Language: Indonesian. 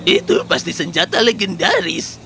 itu pasti senjata legendaris